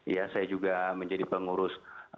ya saya juga menjadi pengurus